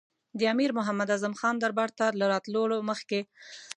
د امیر محمد اعظم خان دربار ته له راتللو مخکې.